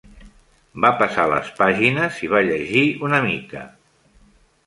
Va passar les pàgines i va llegir una mica.